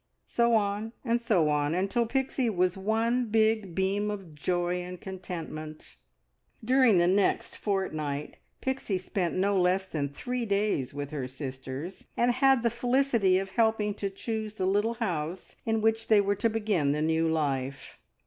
So on, and so on, until Pixie was one big beam of joy and contentment. During the next fortnight Pixie spent no less than three days with her sisters, and had the felicity of helping to choose the little house, in which they were to begin the new life.